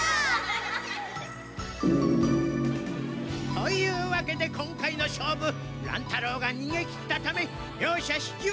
というわけで今回の勝負乱太郎がにげきったため両者引き分けにする！